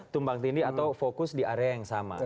tumpang tindih atau fokus di area yang sama